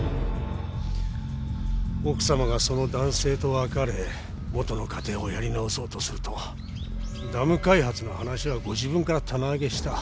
奥様がその男性と別れ元の家庭をやり直そうとするとダム開発の話はご自分から棚上げした。